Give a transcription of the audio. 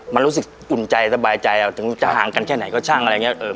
มันรู้สึกอุ่นใจสบายใจถึงจะห่างกันแค่ไหนก็ช่างอะไรอย่างนี้